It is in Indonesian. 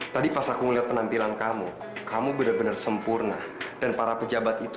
tadi pas aku melihat penampilan kamu kamu bener bener sempurna dan para pejabat itu